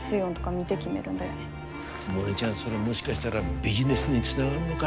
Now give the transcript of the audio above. モネちゃんそれもしかしたらビジネスにつながんのが？